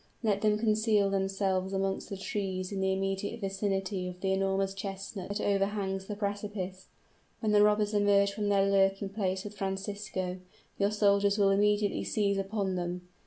Let them conceal themselves amongst the trees in the immediate vicinity of the enormous chestnut that overhangs the precipice. When the robbers emerge from their lurking place with Francisco, your soldiers will immediately seize upon them.